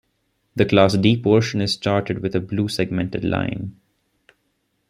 The Class D portion is charted with a blue segmented line.